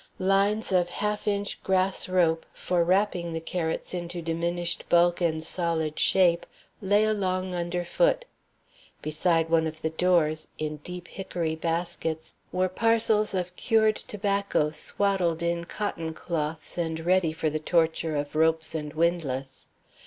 Lines of half inch grass rope, for wrapping the carats into diminished bulk and solid shape, lay along under foot. Beside one of the doors, in deep hickory baskets, were the parcels of cured tobacco swaddled in cotton cloths and ready for the torture of ropes and windlass.